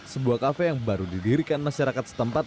sebuah kafe yang baru didirikan masyarakat setempat